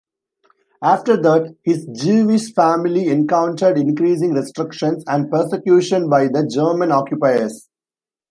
After that, his Jewish family encountered increasing restrictions and persecution by the German occupiers.